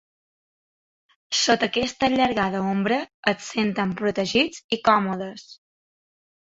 Sota aquesta allargada ombra es senten protegits i còmodes.